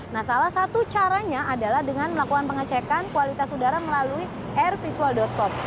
nah salah satu caranya adalah dengan melakukan pengecekan kualitas udara melalui airvisual com